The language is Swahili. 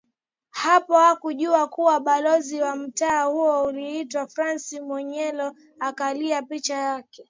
Hapo akajua kuwa balozi wa mtaa huo aliitwa Francis Mwinyelo akaangalia picha yake